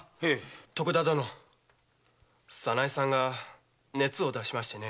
徳田殿早苗さんが熱を出しましてね。